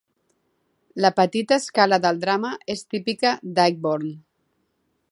La petita escala del drama és típica d'Ayckbourn.